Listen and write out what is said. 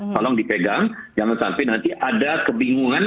tolong dipegang jangan sampai nanti ada kebingungan